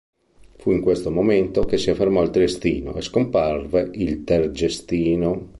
Fu in questo momento che si affermò il triestino e scomparve il tergestino.